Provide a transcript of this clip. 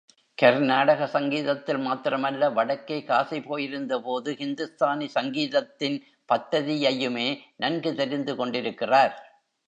கர்னாடக சங்கீதத்தில் மாத்திரம் அல்ல, வடக்கே காசி போயிருந்த போது ஹிந்துஸ்தானி சங்கீதத்தின் பத்ததியையுமே நன்கு தெரிந்து கொண்டிருக்கிறார்.